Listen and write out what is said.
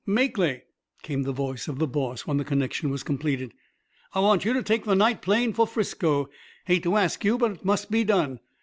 "Makely," came the voice of the boss, when the connection was completed, "I want you to take the night plane for Frisco. Hate to ask you, but it must be done.